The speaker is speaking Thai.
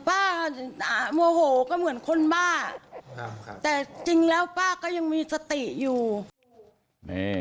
ป้าโมโหก็เหมือนคนบ้าแต่จริงแล้วป้าก็ยังมีสติอยู่